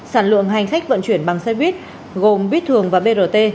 sản lượng hành khách vận chuyển bằng xe buýt gồm bí thường và brt